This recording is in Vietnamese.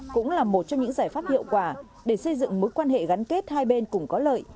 cũng là một trong những giải pháp hiệu quả để xây dựng mối quan hệ gắn kết hai bên cùng có lợi